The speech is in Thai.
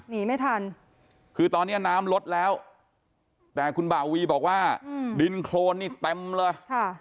หนีไม่ทันคือตอนนี้น้ำลดแล้วแต่คุณบ่าวีบอกว่าดินโครนนี่เต็มเลยค่ะ